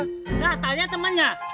gak tanya temennya